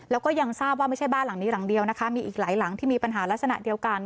แล้วก็ยังทราบว่าไม่ใช่บ้านหลังนี้หลังเดียวนะคะมีอีกหลายหลังที่มีปัญหาลักษณะเดียวกัน